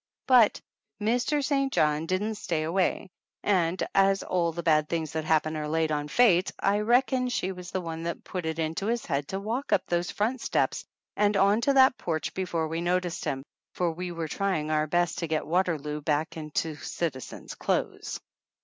But Mr. St. John didn't stay away; and, as all the bad things that happen are laid on Fate, I reckon she was the one that put it into his head to walk up those front steps and on to that porch before we noticed him, for we were trying our best to get Waterloo back into citi zen's clothes.